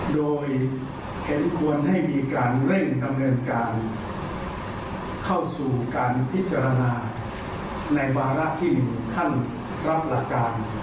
โดยเห็นควรให้มีการเร่งดำเนินการเข้าสู่การพิจารณาในวาระที่๑ขั้นรับหลักการ